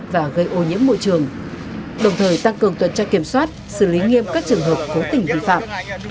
và gây ô nhiễm môi trường đồng thời tăng cường tuyên trách kiểm soát xử lý nghiêm các trường hợp của tỉnh vi phạm